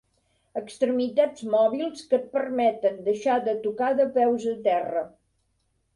Extremitats mòbils que et permeten deixar de tocar de peus a terra.